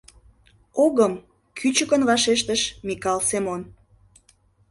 — Огым! — кӱчыкын вашештыш Микал Семон.